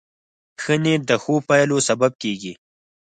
ښه نیت د ښو پایلو سبب کېږي.